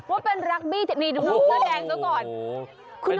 ว่าเป็นรักบี้นี่คุณก็แสดงแล้วก่อน